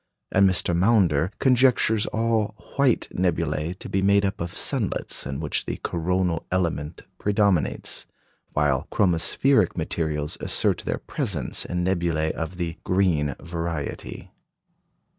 And Mr. Maunder conjectures all "white" nebulæ to be made up of sunlets in which the coronal element predominates, while chromospheric materials assert their presence in nebulæ of the "green" variety.